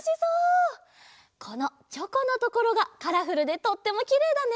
このチョコのところがカラフルでとってもきれいだね。